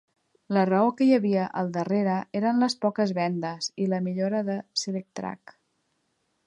La raó que hi havia al darrere eren les poques vendes i la millora de Selec-Trac.